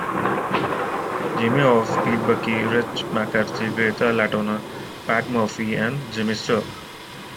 Jimmy Howes, Pete Bucky, Rich McCarthy, Greta Latona, Pat Murphy and Jimmy Sturr.